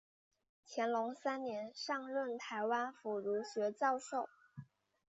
乾隆三年上任台湾府儒学教授。